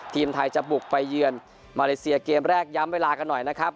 ทีมไทยจะบุกไปเยือนมาเลเซียเกมแรกย้ำเวลากันหน่อยนะครับ